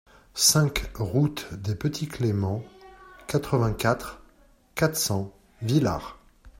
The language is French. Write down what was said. cinq route des Petits Cléments, quatre-vingt-quatre, quatre cents, Villars